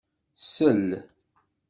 Sel.